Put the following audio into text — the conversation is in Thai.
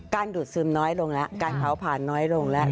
ดูดซึมน้อยลงแล้วการเผาผ่านน้อยลงแล้ว